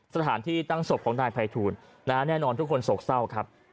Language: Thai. สถานที่ตั้งศพของนายภัยทูลแน่นอนทุกคนโศกเศร้าครับ